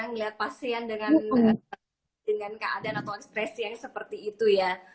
ngelihat pasien dengan keadaan atau ekspresi yang seperti itu ya